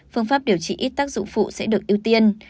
phương pháp điều trị ít tác dụng phụ sẽ được ưu tiên